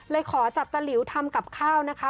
ขอจับตะหลิวทำกับข้าวนะคะ